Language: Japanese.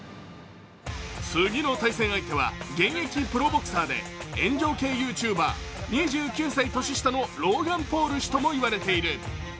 次の対戦相手は現役プロボクサーで炎上系ＹｏｕＴｕｂｅｒ２９歳年下のローガン・ポール氏ともいわれている。